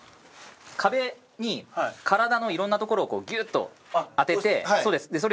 壁に体の色んなところをギューッと当ててそうですそれ